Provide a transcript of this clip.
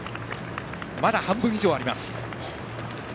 まだ半分以上あります。